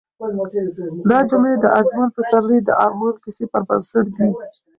دا جملې د اجمل پسرلي د ارمان کیسې پر بنسټ دي.